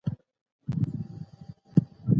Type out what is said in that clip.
موږ باید پوه سو چې ولې پیښې رامنځته کیږي.